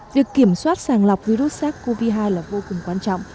việc kiểm soát sàng lọc virus sars cov hai là vô cùng quan trọng